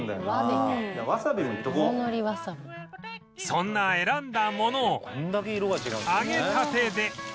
そんな選んだものを揚げたてで